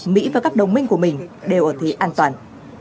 mỹ và các đồng minh của mình đều ở thế an toàn